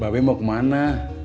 bapak mau kemana